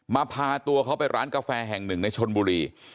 พาตัวเขาไปร้านกาแฟแห่งหนึ่งในชนบุรี